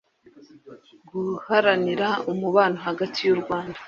guharanira umubano hagati y'u rwanda